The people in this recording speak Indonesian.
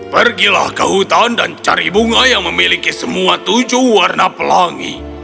pergilah ke hutan dan cari bunga yang memiliki semua tujuh warna pelangi